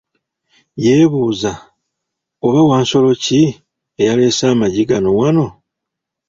Yebuuza, oba wansolo ki eyalesse amaggi gano wano?